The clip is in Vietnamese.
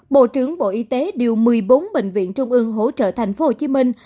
bộ trưởng bộ y tế điều một mươi bốn bệnh viện trung ương hỗ trợ thành phố hồ chí minh